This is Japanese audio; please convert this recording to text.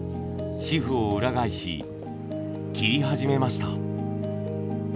紙布を裏返し切り始めました。